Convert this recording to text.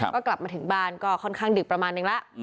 ก็กลับมาถึงบ้านก็ค่อนข้างดึกประมาณนึงแล้ว